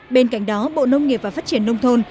bên cạnh đó bộ nông nghiệp và phát triển nông thôn